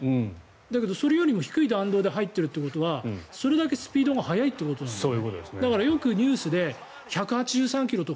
だけどそれよりも低い弾道で入ってるということはそれだけスピードが速いってことなんです。